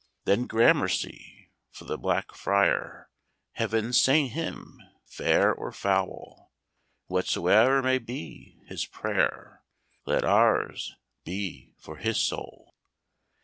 Then gramercy! for the Black Friar; Heaven sain him! fair or foul, And whatsoe'er may be his prayer Let ours be for his soul."